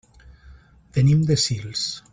Venim de Sils.